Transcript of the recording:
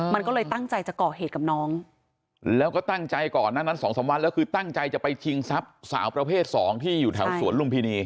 มันก็เลยตั้งใจจะก่อเหตุกับน้องแล้วก็ตั้งใจก่อนหน้านั้นสองสามวันแล้วคือตั้งใจจะไปชิงทรัพย์สาวประเภทสองที่อยู่แถวสวนลุมพินี